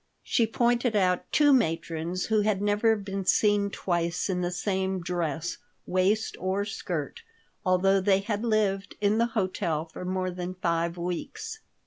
She pointed out two matrons who had never been seen twice in the same dress, waist, or skirt, although they had lived in the hotel for more than five weeks.